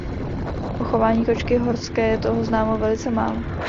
O chování kočky horské je toho známo velice málo.